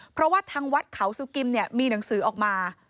เพราะว่าทั้งวัดเขาศุกริมมีหนังสือออกมา